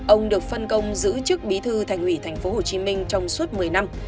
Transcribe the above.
ông được phân công giữ chức bí thư thành ủy tp hồ chí minh trong suốt một mươi năm